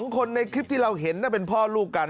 คนในคลิปที่เราเห็นเป็นพ่อลูกกัน